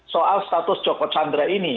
soal status joko chandra ini